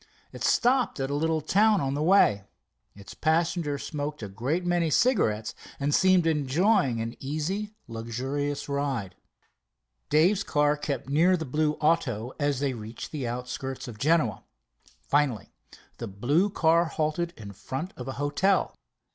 It stopped at a little town on the way. Its passenger smoked a great many cigarettes, and seemed enjoying an easy, luxurious ride. Dave's car kept near to the blue auto as they reached the outskirts of Genoa. Finally the blue car halted in front of a hotel.